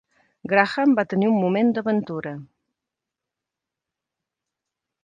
Graham va tenir un moment d'aventura.